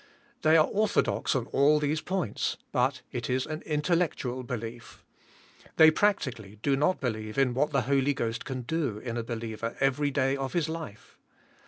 They are orthodox on all these points; but, it is an intellectual belief. They practically do not believe in what the Holy Ghost can do in a believer every day of his life.